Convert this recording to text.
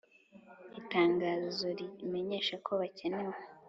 Itangazo rimenyesha ko bakenewe